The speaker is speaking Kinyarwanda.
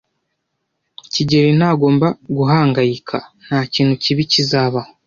kigeli ntagomba guhangayika. Ntakintu kibi kizabaho.